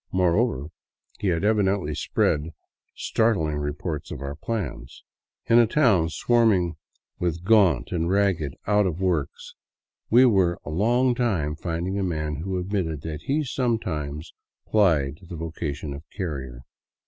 Moreover, he had evidently spread startling reports of our plans. In a town swarming with gaunt and ragged out of works we were a long time finding a man who admitted that he sometimes plied the voca tion of carrier.